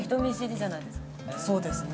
そうですね。